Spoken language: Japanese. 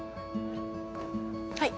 はい。